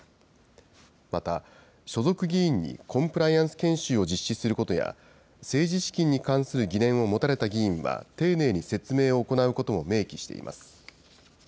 また、所属議員にコンプライアンス研修を実施することや、政治資金に関する疑念を持たれた議員は丁寧に説明を行うことを明記しています。